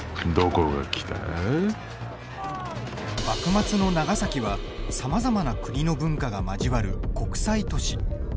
幕末の長崎は、さまざまな国の文化が交わる国際都市。